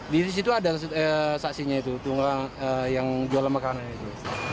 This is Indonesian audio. di situ ada saksinya itu tunggang yang jualan makanan itu